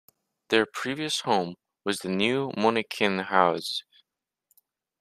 Their previous home was the Nieuw Monnikenhuize.